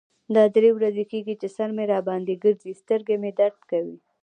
دا درې ورځې کیږی چې سر مې را باندې ګرځی. سترګې مې درد کوی.